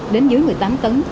đến dưới một mươi tám tấn